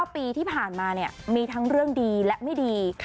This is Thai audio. ปีที่ผ่านมามีทั้งเรื่องดีและไม่ดี